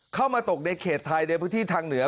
เข้ามาตกในเขตไทยในพื้นที่ทางเหนือ